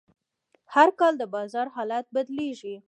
هر کال د بازار حالت بدلېږي.